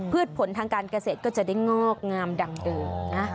ผลทางการเกษตรก็จะได้งอกงามดังเดิมนะ